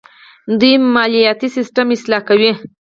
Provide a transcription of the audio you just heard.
دوی مالیاتي سیستم اصلاح کوي.